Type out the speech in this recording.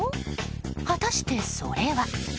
果たして、それは。